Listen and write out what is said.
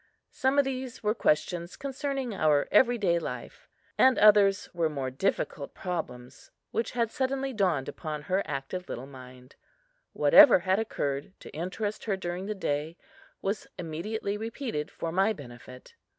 Some of these were questions concerning our every day life, and others were more difficult problems which had suddenly dawned upon her active little mind. Whatever had occurred to interest her during the day was immediately repeated for my benefit.